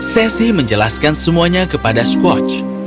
sesi menjelaskan semuanya kepada squatch